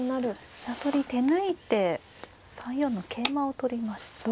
飛車取り手抜いて３四の桂馬を取りましたね。